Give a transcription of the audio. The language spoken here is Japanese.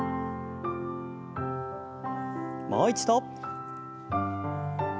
もう一度。